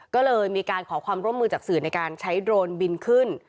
ก็เลยมีการขอความร่วมมือจากสื่อในการใช้โดรนบินขึ้น